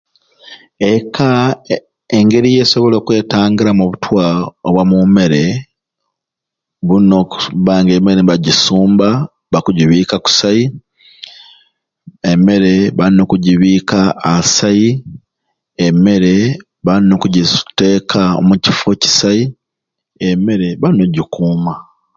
Ekka ee engeri yesobola okwetangiramu obutwa obwa mu mmere bulina okubba nga emmere nibakugisumba bakugibiika kusai, emmere balina okugibiika assai, emmere balina okugiteeka omukifo ekisai, emmere balina ogikuuma.